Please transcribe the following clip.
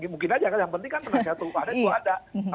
mungkin aja kan yang penting kan penontonnya tuh ada